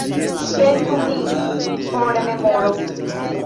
Pentru min por rememoro.